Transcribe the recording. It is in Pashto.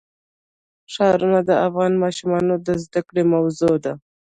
ښارونه د افغان ماشومانو د زده کړې موضوع ده.